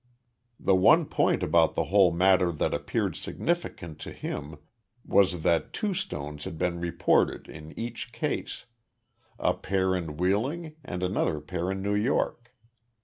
The one point about the whole matter that appeared significant to him was that two stones had been reported in each case a pair in Wheeling and another pair in New York.